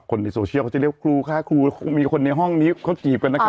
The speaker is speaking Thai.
เขาจะเรียกว่าครูฆ่าครูมีคนในห้องนี้เขาจีบกันนะครับ